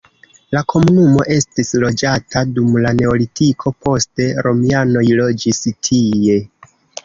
La komunumo estis loĝata dum la neolitiko, poste romianoj loĝis tie.